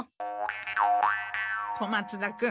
小松田君